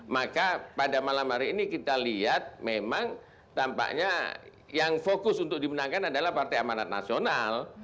maka pada malam hari ini kita lihat memang tampaknya yang fokus untuk dimenangkan adalah partai amanat nasional